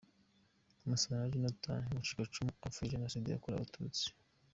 Musonera Jonathan, Umucikacumu upfobya Jenoside yakorewe Abatutsi.